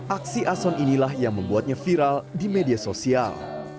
aksi ason inilah yang membuatnya viral di media sosial